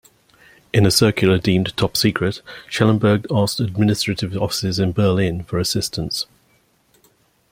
In a circular deemed "top secret", Schellenberg asked administrative offices in Berlin for assistance.